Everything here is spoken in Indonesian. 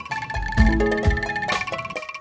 seren namanya seperti ini ya